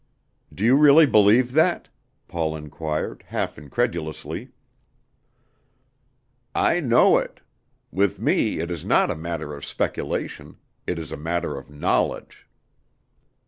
"Do you really believe that?" Paul inquired, half incredulously. "I know it. With me it is not a matter of speculation; it is a matter of knowledge."